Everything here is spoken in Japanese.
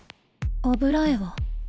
油絵は？